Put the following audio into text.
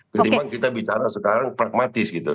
ketimbang kita bicara sekarang pragmatis gitu